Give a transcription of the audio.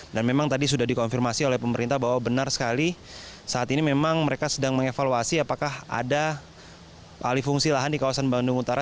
dan memang tadi sudah dikonfirmasi oleh pemerintah bahwa benar sekali saat ini memang mereka sedang mengevaluasi apakah ada alih fungsi lahan di kawasan bandung utara